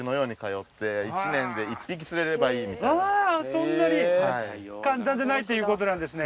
そんなに簡単じゃないということなんですね。